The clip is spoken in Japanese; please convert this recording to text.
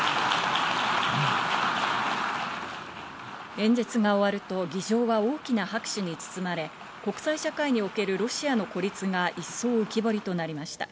演説が終わると議場は大きな拍手に包まれ、国際社会におけるロシアの孤立が一層、浮き彫りとなりました。